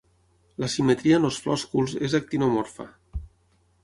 La simetria en els flòsculs és actinomorfa.